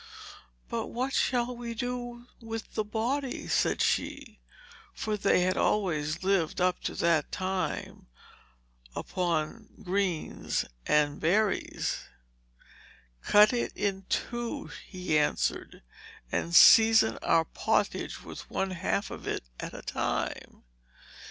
"But what shall we do with the body?" said she; for they had always up to that time lived upon greens and berries. "Cut it in two," he answered, "and season our pottage with one half of it at a time."